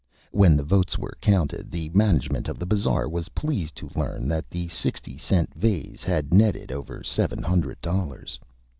When the Votes were counted, the Management of the Bazaar was pleased to learn that the Sixty Cent Vase had Netted over Seven Hundred Dollars.